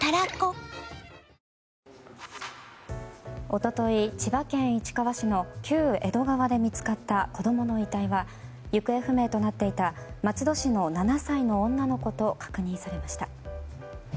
一昨日、千葉県市川市の旧江戸川で見つかった子供の遺体が行方不明となっていた松戸市の７歳の女の子と確認されました。